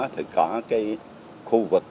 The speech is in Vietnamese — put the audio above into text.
thì có cái khu vực